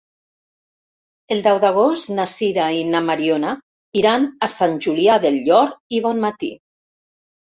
El deu d'agost na Sira i na Mariona iran a Sant Julià del Llor i Bonmatí.